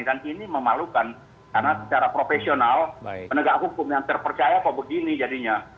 dan ini memalukan karena secara profesional penegak hukum yang terpercaya kok begini jadinya